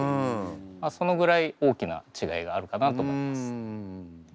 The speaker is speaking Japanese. そのぐらい大きな違いがあるかなと思ってます。